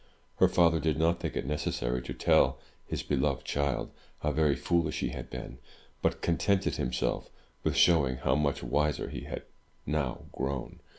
Her father did not think it necessary to tell his beloved child how very foolish he had been, but contented himself with show ing how much wiser he had now grown.